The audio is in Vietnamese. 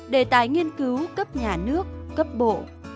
đề tài nghiên cứu cấp nhà nước cấp bộ